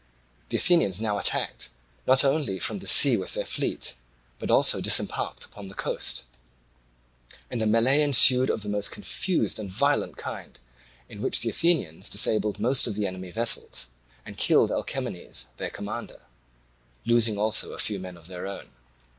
The Athenians now attacked not only from the sea with their fleet, but also disembarked upon the coast; and a melee ensued of the most confused and violent kind, in which the Athenians disabled most of the enemy's vessels and killed Alcamenes their commander, losing also a few of their own men.